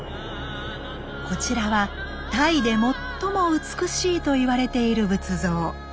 こちらはタイで最も美しいと言われている仏像。